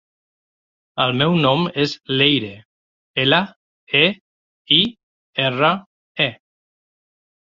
El meu nom és Leire: ela, e, i, erra, e.